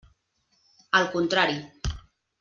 Al contrari.